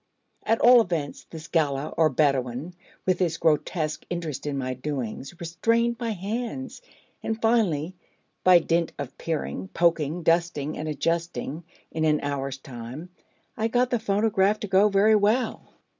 At all events, this Galla, or Bedouin, with his grotesque interest in my doings, restrained my hands: and, finally, by dint of peering, poking, dusting, and adjusting, in an hour's time I got the phonograph to go very well.